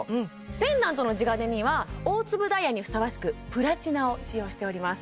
ペンダントの地金には大粒ダイヤにふさわしくプラチナを使用しております